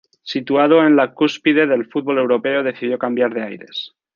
Situado en la cúspide del fútbol europeo, decidió cambiar de aires.